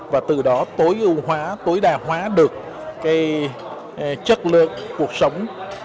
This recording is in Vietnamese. và từ đó tối ưu hóa tối đa hóa được chất lượng cuộc sống